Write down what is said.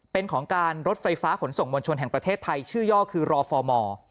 เป็นของการรถไฟฟ้าขนส่งมวลชนแห่งประเทศไทยชื่อย่อคือรอฟอร์มอร์